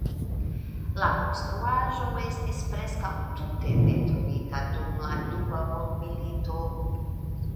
La konstruaĵo estis preskaŭ tute detruita dum la Dua Mondmilito.